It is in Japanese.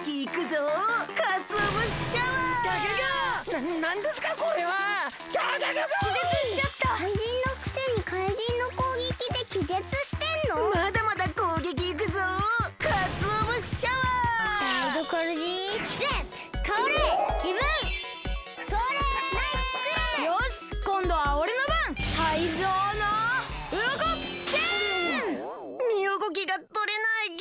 ぐっみうごきがとれないギョ。